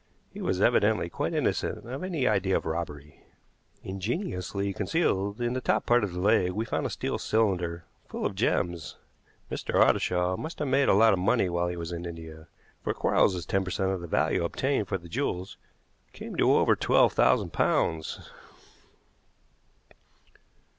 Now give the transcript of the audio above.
He was evidently quite innocent of any idea of robbery. Ingeniously concealed in the top part of the leg we found a steel cylinder, full of gems. Mr. Ottershaw must have made a lot of money while he was in India, for Quarles's ten per cent. of the value obtained for the jewels came to over twelve thousand pounds.